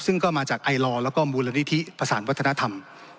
ซึ่งก็มาจากไอลอร์แล้วก็มูลนิธิประสานวัฒนธรรม